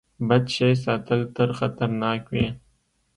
بد شی ساتل تل خطرناک وي.